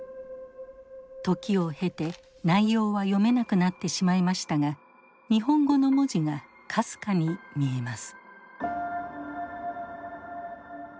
時を経て内容は読めなくなってしまいましたが日本語の文字がかすかに見えます。